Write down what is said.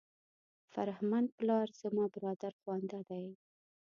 فرهمند پلار زما برادرخوانده دی.